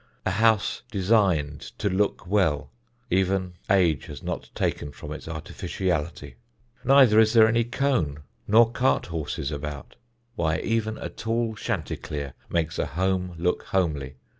A house designed to look well, even age has not taken from its artificiality. Neither is there any cone nor cart horses about. Why, even a tall chanticleer makes a home look homely.